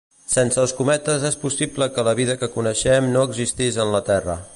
Sense els cometes és possible que la vida que coneixem no existís en la Terra.